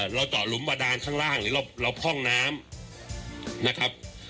เราเจาะหลุมบาดานข้างล่างหรือเราพ่องน้ำนะครับ